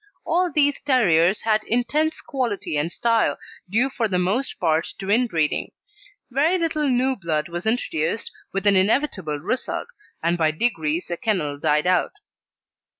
All these terriers had intense quality and style, due for the most part to inbreeding. Very little new blood was introduced, with an inevitable result; and by degrees the kennel died out.